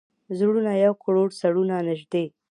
زړونه یو کړو، سرونه نژدې